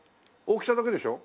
大きさだけでしょ？